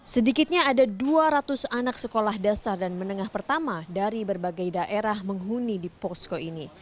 sedikitnya ada dua ratus anak sekolah dasar dan menengah pertama dari berbagai daerah menghuni di posko ini